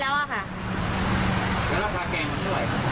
แล้วราคาแกงมันเท่าไหร่